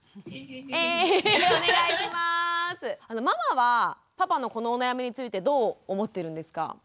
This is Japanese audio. ママはパパのこのお悩みについてどう思ってるんですか？